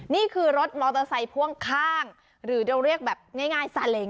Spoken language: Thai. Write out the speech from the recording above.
นี่คือรถมอเตอร์ไซค์พ่วงข้างหรือเราเรียกแบบง่ายซาเล็ง